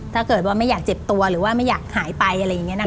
ถ้าเกิดว่าไม่อยากเจ็บตัวหรือว่าไม่อยากหายไปอะไรอย่างนี้นะคะ